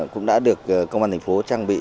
cũng đã được công an thành phố trang bị